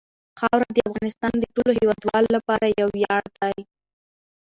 خاوره د افغانستان د ټولو هیوادوالو لپاره یو ویاړ دی.